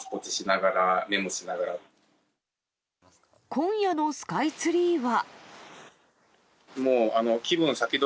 今夜のスカイツリーは。